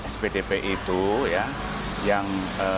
spdp itu ya yang